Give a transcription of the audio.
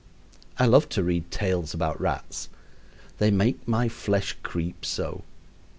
I love to read tales about rats. They make my flesh creep so.